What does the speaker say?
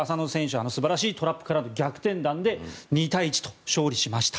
あの素晴らしいトラップからの逆転弾で２対１と勝利しました。